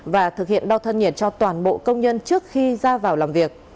và thực hiện đo thân nhiệt cho toàn bộ công nhân trước khi ra vào làm việc